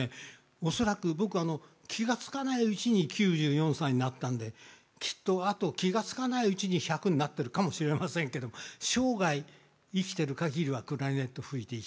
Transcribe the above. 恐らく僕あの気が付かないうちに９４歳になったんできっとあと気が付かないうちに１００になってるかもしれませんけど生涯生きてる限りはクラリネット吹いていきたいなと思っております。